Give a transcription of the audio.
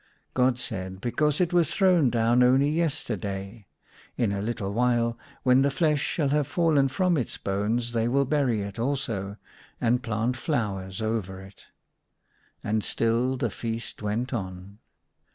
God said, " Because it was thrown down only yesterday. In a little while, when the flesh shall have fallen from its bones, they will bury it also, and plant flowers over it." And still the feast went on.